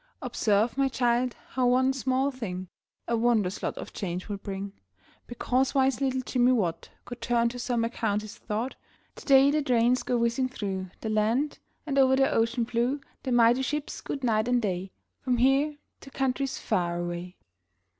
Observe, my child, how one small thing A wondrous lot of change will bring: Because wise little Jimmy Watt Could turn to some account his thought, Today the trains go whizzing through The land, and o'er the ocean blue The mighty ships scoot night and day From here to countries far away.